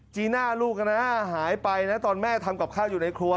จีน่าลูกนะหายไปนะตอนแม่ทำกับข้าวอยู่ในครัว